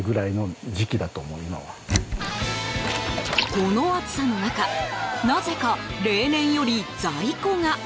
この暑さの中なぜか例年より在庫が。